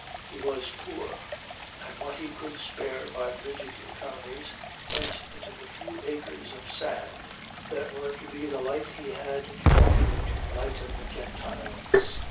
He was poor, and what he could spare by rigid economies went into the few acres of sand that were to be the Light he had to offer to lighten the Gentiles.